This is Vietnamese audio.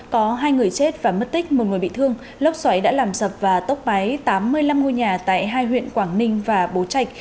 có hai người chết và mất tích một người bị thương lốc xoáy đã làm sập và tốc mái tám mươi năm ngôi nhà tại hai huyện quảng ninh và bố trạch